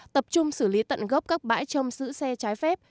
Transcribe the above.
tập trung xử lý tận gốc các bãi trông giữ xe trái phép